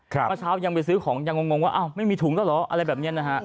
เมื่อเช้ายังไปซื้อของยังงงว่าอ้าวไม่มีถุงแล้วเหรออะไรแบบนี้นะฮะ